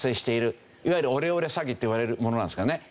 いわゆるオレオレ詐欺っていわれるものなんですけどね。